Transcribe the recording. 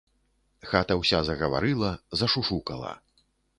Хата ўся загаварыла, зашушукала.